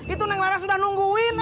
itu neng laras udah nungguin